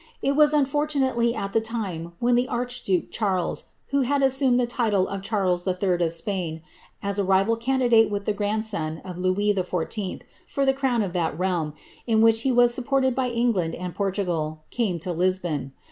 It was unfortunately at the *n the archduke Charles, who had assumed the title of Charles pain, as a rival candidate with the grandson of Louis XIV. for m of that realm, in which he was supported by England and , came to Lisbon.